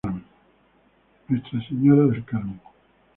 Señora del Carmen, los de Ntra.